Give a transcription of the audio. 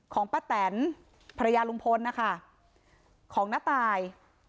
ของปะแตรภรรยาลุงพลของนตาย